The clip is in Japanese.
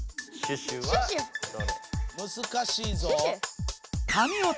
むずかしいぞ。